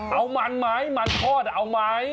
เอามันไหมมันทอดเอาไหม